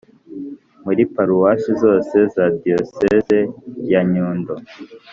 muri paruwasi zose za diyosezi ya nyundo